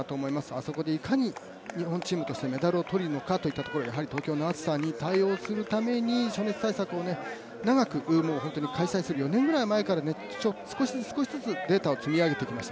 あそこにいかに日本チームとしてメダルを取りに行くのかというところで、やはり東京の暑さに対応するために暑熱対策を長く、開催する４年ぐらい前から少しずつデータを積み上げてきました。